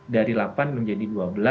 dari delapan menjadi dua belas